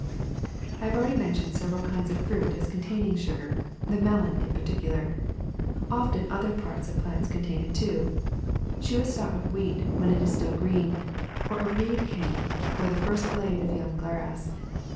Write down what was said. ^^I have already mentioned several kinds of fruit as containing sugar, the melon in particular. Often other parts of plants contain it too. Chew a stalk of wheat when it is still green, or of reed cane, or the first blade of young grass.